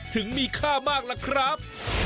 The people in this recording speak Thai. ถึงมีค่ามากล่ะครับ